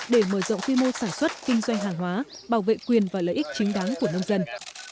để mở rộng quy mô sản xuất kinh doanh hàng hóa bảo vệ quyền và lợi ích chính đáng của nông dân